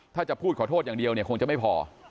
ถ้าจะพูดขอโทษอย่างเดียวเนี่ยคงจะไม่พอ